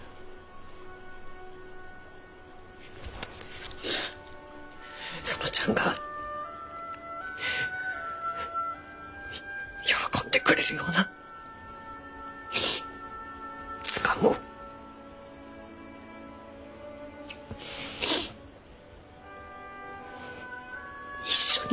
園ちゃん園ちゃんが喜んでくれるような図鑑を一緒に。